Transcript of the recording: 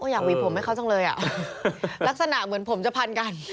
หวีผมให้เขาจังเลยอ่ะลักษณะเหมือนผมจะพันกัน